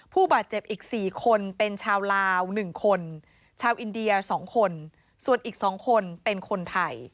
ผู้บาดเจ็บอีก๔คนเป็นชาวลาว๑คนชาวอินเดีย๒คนส่วนอีก๒คนเป็นคนไทย